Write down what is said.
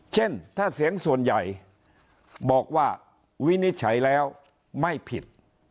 เช่นถ้าเสียงส่วนใหญ่บอกว่าวินิจฉัยแล้วไม่ผิด